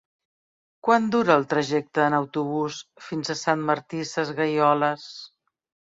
Quant dura el trajecte en autobús fins a Sant Martí Sesgueioles?